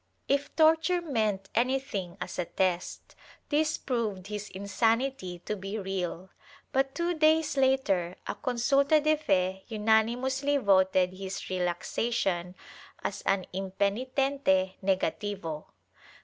If torture meant anything as a test, this proved his insanity to be real, but two days later a consulta de fe unanimously voted his relaxation as an impenitente negativo.